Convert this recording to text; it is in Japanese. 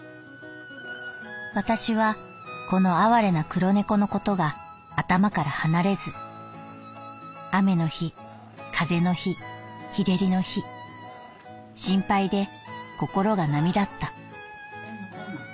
「私はこの哀れな黒猫のことが頭から離れず雨の日風の日日照りの日心配で心が波立った」。